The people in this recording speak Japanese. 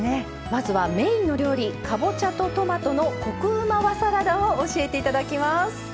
まずはメインの料理かぼちゃとトマトのコクうま和サラダを教えて頂きます。